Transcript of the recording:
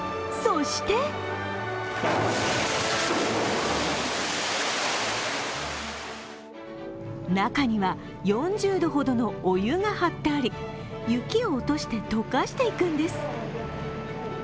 そして中には、４０度ほどのお湯が張ってあり雪を落として溶かしていくんです。